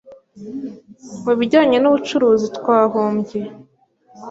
"Mu bijyanye n'ubucuruzi, twahombye